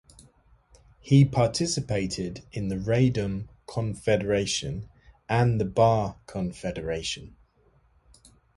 He participated in the Radom Confederation and the Bar Confederation.